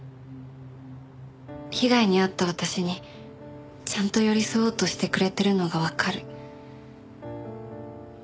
被害に遭った私にちゃんと寄り添おうとしてくれてるのがわかる。